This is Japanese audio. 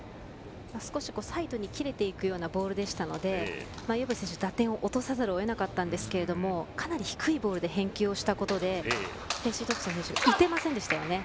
少しサイドに切れていくようなボールでしたので岩渕選手、打点を落とさざるをえなかったんですがかなり低いボールで返球をしたことでフェイシートンプソン選手は打てませんでしたよね。